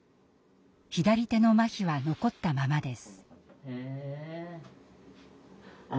左手のまひは残ったままです。